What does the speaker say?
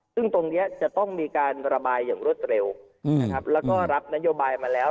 ซึ่งตรงนี้จะต้องมีการระบายอย่างรวดเร็วนะครับแล้วก็รับนโยบายมาแล้ว